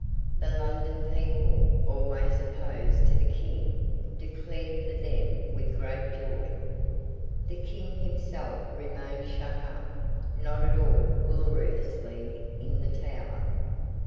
The London people, always opposed to the King, declared for them with great joy. The King himself remained shut up, not at all gloriously, in the Tower.